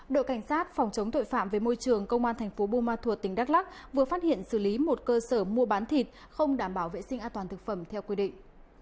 đội cảnh sát phòng chống tội phạm về môi trường công an thành phố buôn ma thuột tỉnh đắk lắc vừa phát hiện xử lý một cơ sở mua bán thịt không đảm bảo vệ sinh an toàn thực phẩm theo quy định